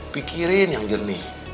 pikirin yang jernih